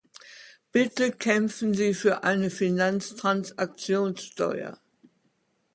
Bitte kämpfen Sie für eine Finanztransaktionssteuer.